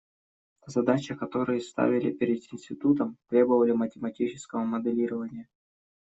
Задачи, которые ставили перед институтом, требовали математического моделирования.